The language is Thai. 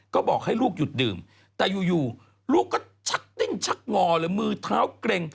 ก็บอกให้ลูกหยุดดื่มแต่อยู่ลูกก็ชักดิ้นชักงอเลยมือเท้าเกร็ง